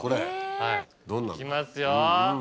はいいきますよ。